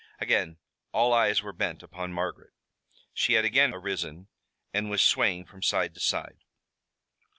Again all eyes were bent upon Margaret. She had again arisen and was swaying from side to side.